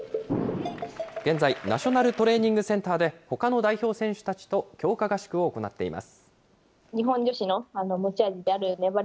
現在、ナショナルトレーニングセンターで、ほかの代表選手たちと強化合宿を行っています。